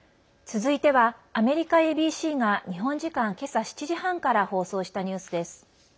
続いてはアメリカＡＢＣが日本時間けさ７時半から放送したニュースです。